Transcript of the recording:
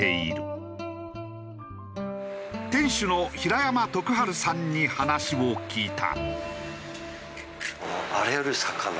店主の平山徳治さんに話を聞いた。